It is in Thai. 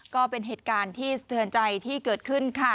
ก็เป็นเหตุการณ์ที่สะเทือนใจที่เกิดขึ้นค่ะ